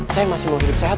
saya masih mau hidup sehat